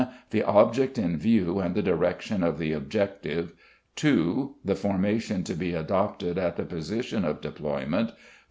The object in view and the direction of the objective. 2. The formation to be adopted at the position of deployment.